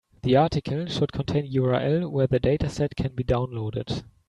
The article should contain URL where the dataset can be downloaded.